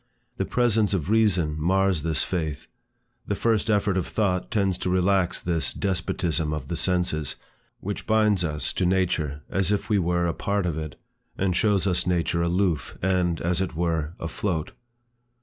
The presence of Reason mars this faith. The first effort of thought tends to relax this despotism of the senses, which binds us to nature as if we were a part of it, and shows us nature aloof, and, as it were, afloat.